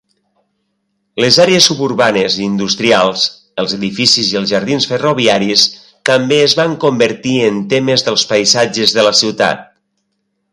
Les àrees suburbanes i industrials, els edificis i els jardins ferroviaris també es van convertir en temes dels paisatges de la ciutat.